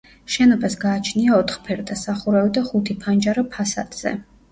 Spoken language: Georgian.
შენობას გააჩნია ოთხფერდა სახურავი და ხუთი ფანჯარა ფასადზე.